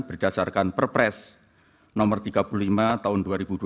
berdasarkan perpres nomor tiga puluh lima tahun dua ribu dua puluh